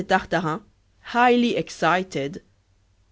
SANCHO TARTARIN. (Highly excited.)